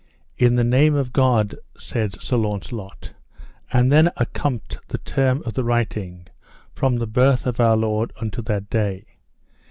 In the name of God, said Sir Launcelot; and then accompted the term of the writing from the birth of our Lord unto that day.